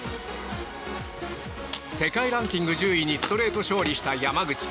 世界ランキング１０位にストレート勝利した山口。